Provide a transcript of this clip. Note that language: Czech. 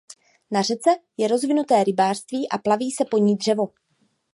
Na řece je rozvinuté rybářství a plaví se po ní dřevo.